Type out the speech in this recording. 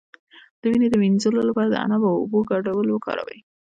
د وینې د مینځلو لپاره د عناب او اوبو ګډول وکاروئ